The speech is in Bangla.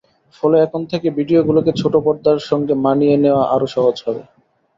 ফলে এখন থেকে ভিডিওগুলোকে ছোট পর্দার সঙ্গে মানিয়ে নেওয়া আরও সহজ হবে।